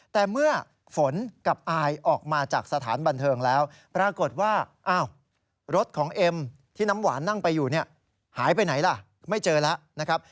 แต่เมื่อฝนกับอายออกมาจากสถานบันเทิงแล้วปรากฏว่าอ้าวรถของเอ็มที่น้ำหวานนั่งไปอยู่เนี่ยหายไปไหนล่ะไม่เจอแล้วนะครับ